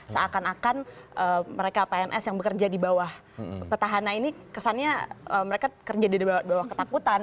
seakan akan mereka pns yang bekerja di bawah petahana ini kesannya mereka kerja di bawah ketakutan